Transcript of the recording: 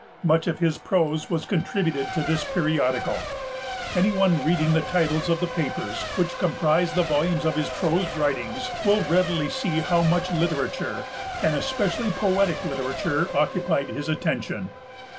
Much of his prose was contributed to this periodical. Any one reading the titles of the papers which comprise the volumes of his prose writings will readily see how much literature, and especially poetic literature, occupied his attention.